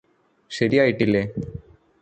ശരിയായിട്ടില്ലേ